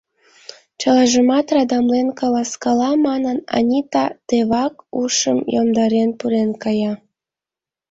Чылажымат радамлен каласкала манын, Анита тевак ушым йомдарен пуреҥгая.